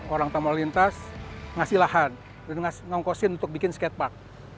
orang tamu lintas ngasih lahan ngongkosin untuk bikin skatepark